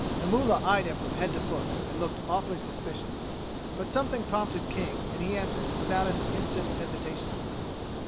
The mullah eyed him from head to foot and looked awfully suspicious, but something prompted King and he answered without an instant's hesitation.